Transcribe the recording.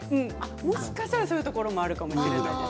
もしかしたらそういうところがあるかもしれません。